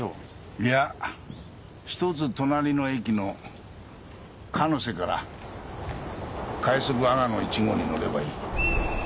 いやひとつ隣の駅の鹿瀬から快速あがの１号に乗ればいい。